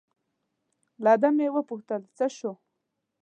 له ده مې و پوښتل: څه شو؟